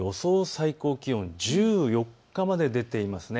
最高気温、１４日まで出ています。